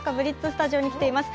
スタジオに来ています。